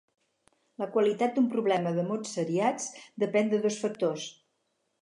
La qualitat d'un problema de mots seriats depèn de dos factors.